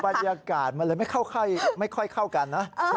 บรรยากาศมันเลยไม่ค่อยเข้ากันนะ